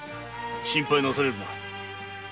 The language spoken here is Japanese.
心配なされるな。